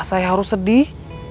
saya harus sedih